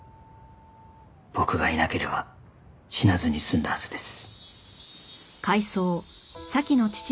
僕がいなければ死なずに済んだはずです。